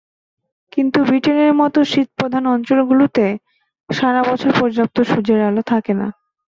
কিন্তু ব্রিটেনের মতো শীতপ্রধান অঞ্চলগুলোতে সারা বছর পর্যাপ্ত সূর্যের আলো থাকে না।